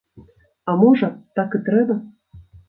А можа, так і трэба.